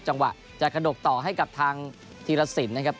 จังหวะจะกระดกต่อให้กับทางธีรสินนะครับ